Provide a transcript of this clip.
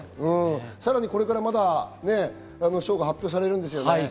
さらに、これからまだ賞が発表されるんですね。